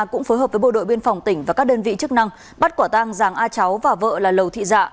cũng phối hợp với bộ đội biên phòng tỉnh và các đơn vị chức năng bắt quả tang giàng a cháu và vợ là lầu thị dạ